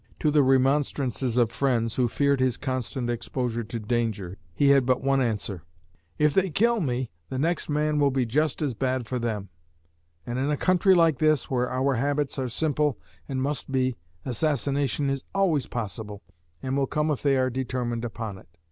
To the remonstrances of friends, who feared his constant exposure to danger, he had but one answer: "If they kill me, the next man will be just as bad for them; and in a country like this, where our habits are simple, and must be, assassination is always possible, and will come if they are determined upon it."